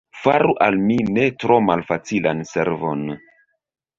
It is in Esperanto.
Faru al mi ne tro malfacilan servon!